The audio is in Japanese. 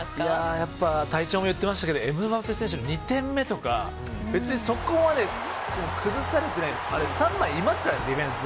やっぱ隊長も言ってましたけどエムバペ選手の２点目とか別にそこまで崩されてなくて３枚、いますからねディフェンス。